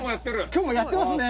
今日もやってますね。